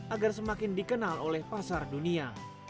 agar semakin dikenal oleh pasar dunia